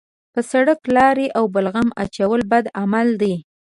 په سړک لاړې او بلغم اچول بد عمل دی.